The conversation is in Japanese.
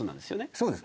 そうです。